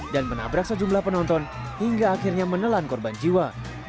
dan menabrak sejumlah penonton hingga akhirnya menelan korban jiwa